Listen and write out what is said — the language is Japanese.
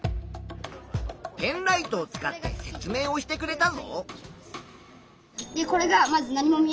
ペンライトを使って説明をしてくれたぞ。